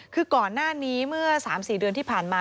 คือก่อนหน้านี้เมื่อ๓๔เดือนที่ผ่านมา